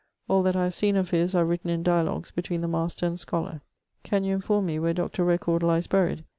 All that I have seen of his are written in dialogues between the master and scholar. Can you enforme me where Dr. Record lies buried?